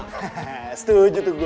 hahaha setuju tuh gue